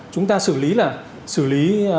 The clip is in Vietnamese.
chúng ta xử lý là xử lý